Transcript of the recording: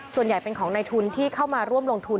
ส่วนใหญ่เป็นของในทุนที่เข้ามาร่วมลงทุน